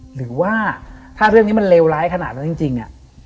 หรือว่าถ้าเรื่องนี้มันเลวร้ายขนาดนั้นจริงเนี่ย